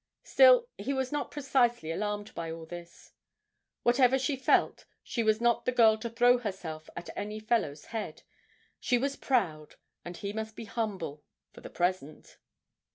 Still he was not precisely alarmed by all this. Whatever she felt, she was not the girl to throw herself at any fellow's head; she was proud and he must be humble for the present.